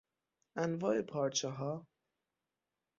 انواع پارچهها